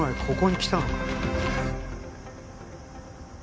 ここに来たのか？